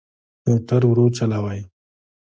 موټر ورو چلوئ